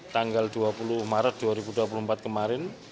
tanggal dua puluh maret dua ribu dua puluh empat kemarin